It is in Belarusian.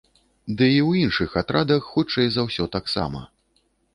Ды і ў іншых атрадах хутчэй за ўсё таксама.